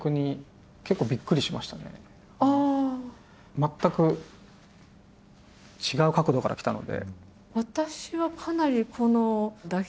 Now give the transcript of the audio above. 全く違う角度から来たので。